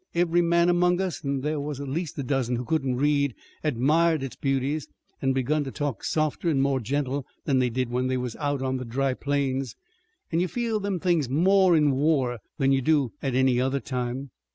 Every man among us, an' there was at least a dozen who couldn't read, admired its beauties, an' begun to talk softer an' more gentle than they did when they was out on the dry plains. An' you feel them things more in war than you do at any other time."